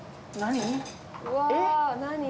何？